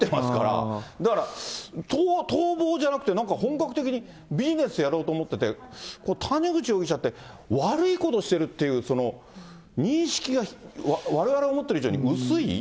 だから逃亡じゃなくて、なんか本格的にビジネスやろうと思ってて、谷口容疑者って悪いことしてるっていう、その認識がわれわれ思ってる以上に薄い？